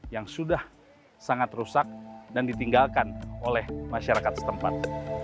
yang sudah sangat rusak dan ditinggalkan oleh masyarakat setempat